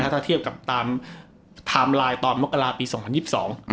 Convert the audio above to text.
ถ้าเทียบกับตามไทม์ไลน์ตอนมกราศาสตร์ปี๒๐๒๒นะครับ